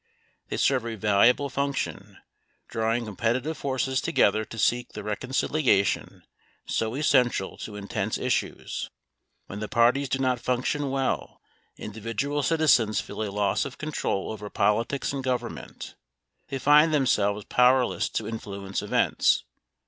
They serve a valuable function, drawing com petitive forces together to seek the reconciliation so essential to intense issues. When the parties do not function well, individual citizens feel a loss of control over politics and Government. They find themselves powerless to influence events.